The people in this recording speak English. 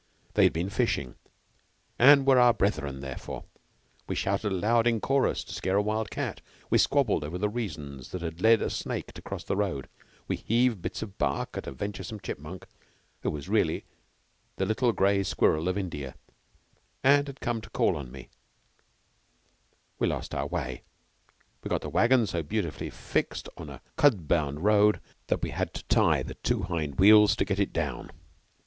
They had been fishing, and were our brethren, therefore. We shouted aloud in chorus to scare a wild cat; we squabbled over the reasons that had led a snake to cross a road; we heaved bits of bark at a venturesome chipmunk, who was really the little gray squirrel of India, and had come to call on me; we lost our way, and got the wagon so beautifully fixed on a khud bound road that we had to tie the two hind wheels to get it down.